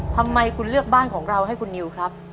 ทำไมคุณเลือกบ้านของเราให้คุณนิวครับ